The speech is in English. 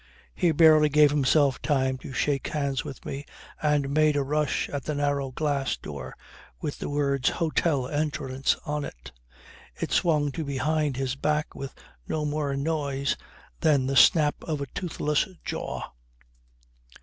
He barely gave himself time to shake hands with me and made a rush at the narrow glass door with the words Hotel Entrance on it. It swung to behind his back with no more noise than the snap of a toothless jaw.